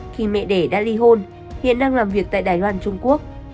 khi mẹ đẻ đã ly hôn hiện đang làm việc tại đài loan trung quốc